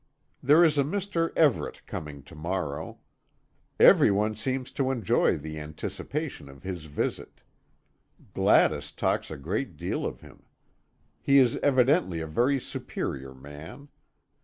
There is a Mr. Everet coming to morrow. Every one seems to enjoy the anticipation of his visit. Gladys talks a great deal of him. He is evidently a very superior man.